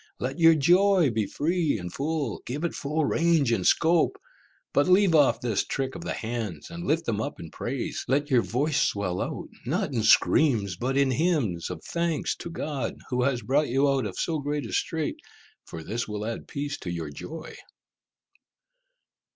Let your joy be free and full, give it full range and scope, but leave off this trick of the hands, and lift them up in praise; let your voice swell out, not in screams, but in hymns of thanks to God, who has brought you out of so great a strait, for this will add peace to your joy."